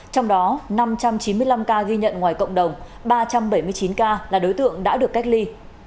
trong đó năm trăm chín mươi năm ca ghi nhận ngoài cộng đồng ba trăm bảy mươi chín ca là đối tượng đã được cách ly